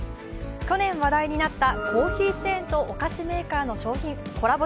去年話題になったコーヒーチェーンとお菓子メーカーのコラボ